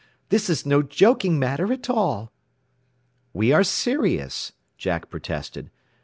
This is no joking matter at all." "We are serious," Jack protested.